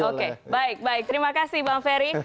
oke baik baik terima kasih bang ferry